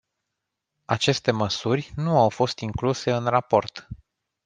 Aceste măsuri nu au fost incluse în raport.